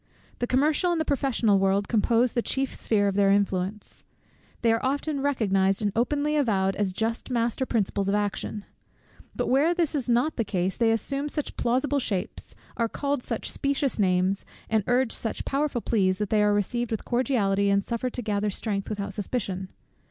The commercial and the professional world compose the chief sphere of their influence. They are often recognized and openly avowed as just master principles of action. But where this is not the case, they assume such plausible shapes, are called by such specious names, and urge such powerful pleas, that they are received with cordiality, and suffered to gather strength without suspicion.